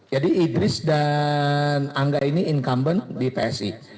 jadi idris dan angga ini income di psi